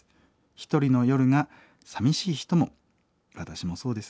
一人の夜がさみしい人も私もそうですが。